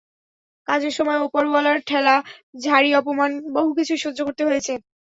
কাজের সময় ওপরঅলার ঠেলা, ঝাড়ি, অপমান বহু কিছুই সহ্য করতে হয়েছে।